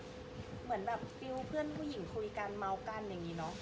เหมือนแบบฟิวเพื่อนผู้หญิงคุยกันเมาส์กันอย่างนี้เนอะ